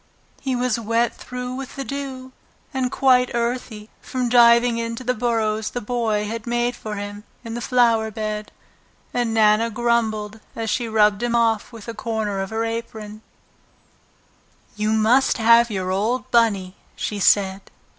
He was wet through with the dew and quite earthy from diving into the burrows the Boy had made for him in the flower bed, and Nana grumbled as she rubbed him off with a corner of her apron. Spring Time "You must have your old Bunny!" she said.